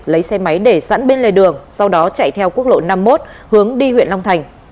lấy xe máy để sẵn bên lề đường sau đó chạy theo quốc lộ năm mươi một hướng đi huyện long thành